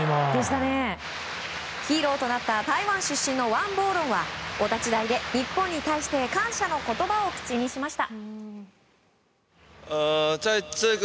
ヒーローとなった台湾出身のワン・ボーロンはお立ち台で日本に対して感謝の言葉を口にしました。